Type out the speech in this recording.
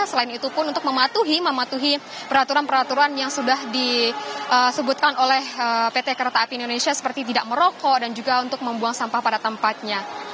selain itu pun untuk mematuhi mematuhi peraturan peraturan yang sudah disebutkan oleh pt kereta api indonesia seperti tidak merokok dan juga untuk membuang sampah pada tempatnya